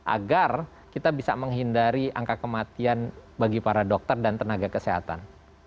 agar kita bisa menghindari angka kematian bagi para dokter dan tenaga kesehatan